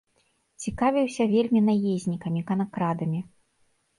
Цікавіўся вельмі наезнікамі, канакрадамі.